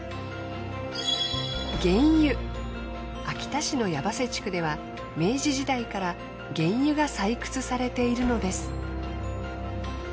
秋田市の八橋地区では明治時代から原油が採掘されているのです。